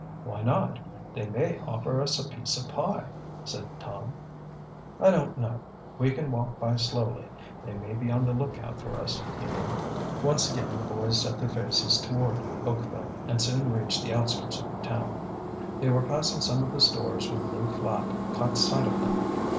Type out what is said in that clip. "Why not? They may offer us a piece of pie," said Tom. "I don't know. We can walk by slowly. They may be on the lookout for us, you know." Once again the boys set their faces toward Oakville, and soon reached the outskirts of the town. They were passing some of the stores when Lew Flapp caught sight of them.